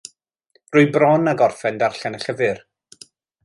Rwy bron â gorffen darllen y llyfr.